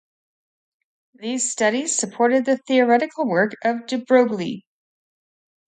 These studies supported the theoretical work of De Broglie.